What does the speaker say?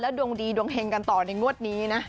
ดวงดีดวงเฮงกันต่อในงวดนี้นะ